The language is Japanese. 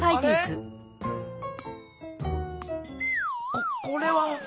ここれは。